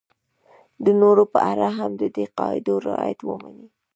د نورو په اړه هم د دې قاعدو رعایت ومني.